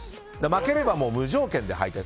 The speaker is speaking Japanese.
負ければ無条件で敗退。